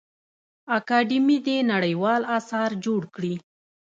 اکاډمي دي نړیوال اثار جوړ کړي.